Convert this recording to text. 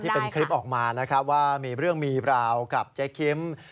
เป็นคลิปออกมานะครับว่ามีเรื่องมีราวกับเจ๊คิม